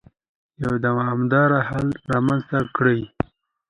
يو دوامدار حل رامنځته کړي.